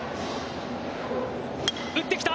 打ってきた。